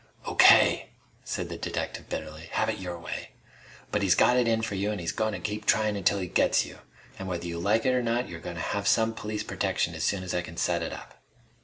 "O.K.!" said the detective bitterly. "Have it your way! But he's got it in for you an' he's goin' to keep tryin' until he gets you! An' whether you like it or not, you're goin' to have some police protection as soon as I can set it up."